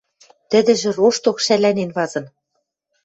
Тӹдӹжӹ рошток шӓланен вазын.